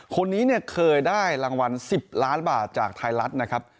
คนนี้เนี่ยเคยได้รางวัล๑๐ล้านบาทจากไทยรัฐนะครับ